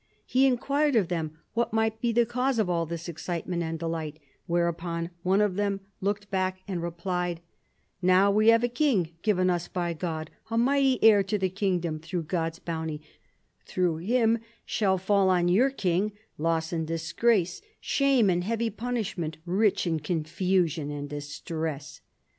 He inquired of them what might be the cause of all this excitement and delight, whereupon one of them looked back and replied, ' Now we have a king given us by God, a mighty heir to the kingdom through God's bounty \ through him shall fall on your king loss and disgrace, shame and heavy punishment, rich in confusion and distress.'